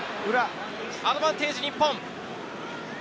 アドバンテージ日本。